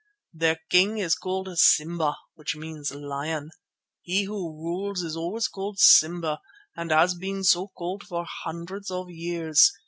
Their king is called Simba, which means Lion. He who rules is always called Simba, and has been so called for hundreds of years.